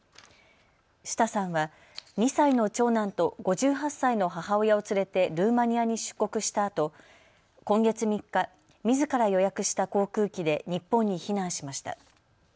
シュタさんは２歳の長男と５８歳の母親を連れてルーマニアに出国したあと今月３日、みずから予約した航空機で日本に避難しました。